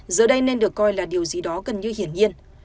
giờ đây nên được coi là điều gì đó gần như hiển nhiên